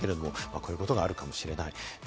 こういうことがあるかもしれない。